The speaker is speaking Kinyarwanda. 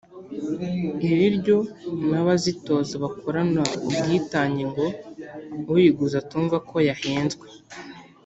ibiryo n’abazitoza bakorana ubwitange ngo uyiguze atumva ko yahenzwe